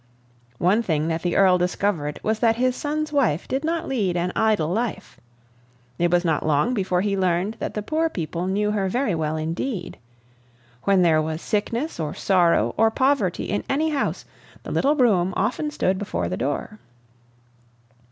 One thing that the Earl discovered was that his son's wife did not lead an idle life. It was not long before he learned that the poor people knew her very well indeed. When there was sickness or sorrow or poverty in any house, the little brougham often stood before the door.